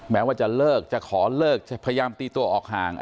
แม้ว่าจะเลิกจะขอเลิกพยายามตีตัวออกห่าง